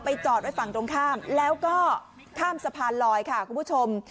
จอดไว้ฝั่งตรงข้ามแล้วก็ข้ามสะพานลอยค่ะคุณผู้ชม